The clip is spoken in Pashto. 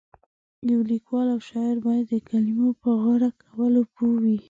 یو لیکوال او شاعر باید د کلمو په غوره کولو پوه وي.